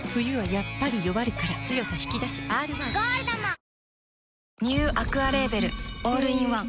「ＧＯＬＤ」もニューアクアレーベルオールインワン